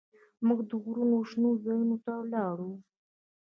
موږ د غرونو شنو ځايونو ته ولاړو.